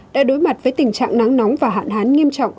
đã đối mặt với tình trạng nắng nóng và hạn hán nghiêm trọng